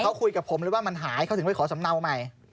เขาคุยกับผมเลยว่ามันหายเขาถึงไปขอสำเนาใหม่